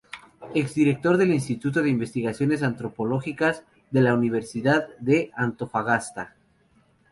Ex-Director del Instituto de Investigaciones Antropológicas, de la Universidad de Antofagasta.